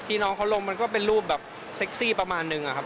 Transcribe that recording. น้องเขาลงมันก็เป็นรูปแบบเซ็กซี่ประมาณนึงอะครับ